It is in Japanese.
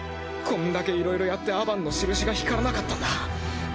こんだけいろいろやってアバンのしるしが光らなかったんだ。